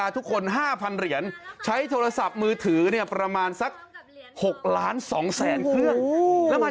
ถูกต้องหลายพันเครื่องต่อเหรียญ